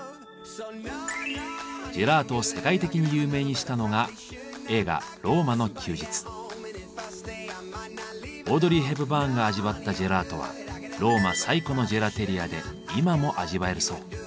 ジェラートを世界的に有名にしたのがオードリー・ヘプバーンが味わったジェラートはローマ最古のジェラテリアで今も味わえるそう。